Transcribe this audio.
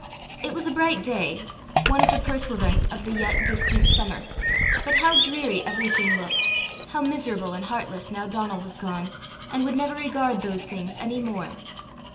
It was a bright day, one of the pursuivants of the yet distant summer, but how dreary everything looked! how miserable and heartless now Donal was gone, and would never regard those things any more!